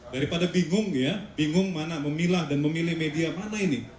daripada bingung ya bingung mana memilah dan memilih media mana ini